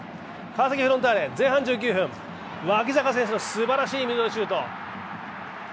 川崎フロンターレ、前半１９分、脇坂選手のすばらしいミドルシュート。